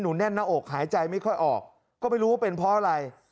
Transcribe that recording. แน่นหน้าอกหายใจไม่ค่อยออกก็ไม่รู้ว่าเป็นเพราะอะไร